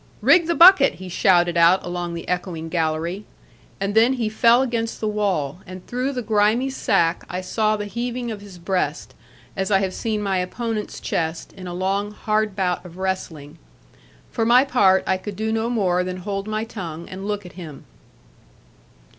'Rig the bucket,' he shouted out along the echoing gallery; and then he fell against the wall, and through the grimy sack I saw the heaving of his breast, as I have seen my opponent's chest, in a long hard bout of wrestling. For my part, I could do no more than hold my tongue and look at him.